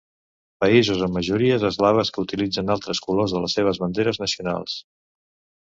Països amb majories eslaves que utilitzen altres colors en les seves banderes nacionals.